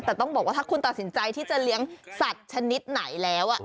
แต่ต้องบอกว่าถ้าคุณตัดสินใจที่จะเลี้ยงสัตว์ชนิดไหนแล้ว